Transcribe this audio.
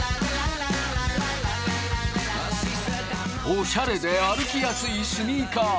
おしゃれで歩きやすいスニーカー。